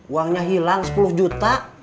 uangnya hilang sepuluh juta